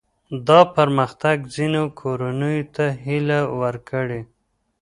دا پرمختګ ځینو کورنیو ته هیله ورکړې.